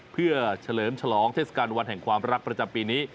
เพื่อเฉลิมฉลองเทศกาลวันแห่งความรักประจำปีนี้